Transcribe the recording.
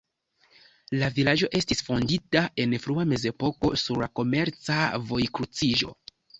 La vilaĝo estis fondita en frua mezepoko sur la komerca vojkruciĝo.